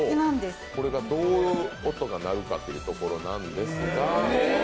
これがどう音が鳴るかというところなんですが。